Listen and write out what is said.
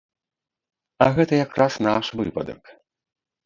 А гэта якраз наш выпадак.